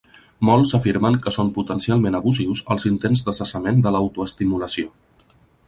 Molts afirmen que són potencialment abusius els intents de cessament de l'autoestimulació.